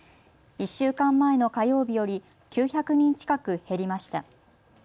１週間前の火曜日より９００人近く減りました。